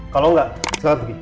kalau enggak sekarang pergi